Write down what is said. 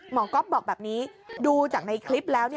ก๊อฟบอกแบบนี้ดูจากในคลิปแล้ว